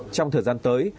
trong thời gian tới